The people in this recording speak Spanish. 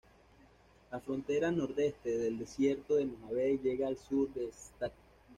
La frontera nordeste del desierto de Mojave llega al sur de St.